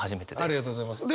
ありがとうございます。